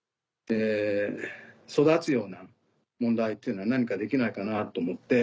育つような問題っていうのは何かできないかなと思って。